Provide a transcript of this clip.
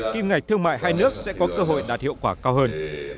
kim ngạch thương mại hai nước sẽ có cơ hội đạt hiệu quả cao hơn